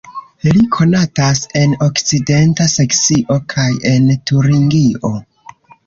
Li konatas en okcidenta Saksio kaj en Turingio.